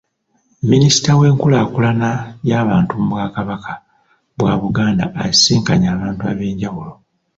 Minisita w'enkulaakulana y'abantu mu Bwakabaka bwa Buganda asisinkanye abantu ab'enjawulo.